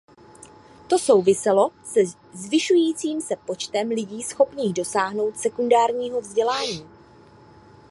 To souviselo se zvyšujícím se počtem lidí schopných dosáhnout sekundárního vzdělání.